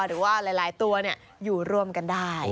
หรือว่าหลายตัวอยู่ร่วมกันได้